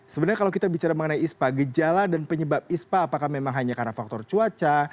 sebenarnya kalau kita bicara mengenai ispa gejala dan penyebab ispa apakah memang hanya karena faktor cuaca